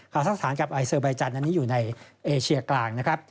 คาซักสถานกับอาเซอร์ใบจันทร์อันนี้อยู่ในเอเชียกลาง